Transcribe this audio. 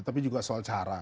tapi juga soal cara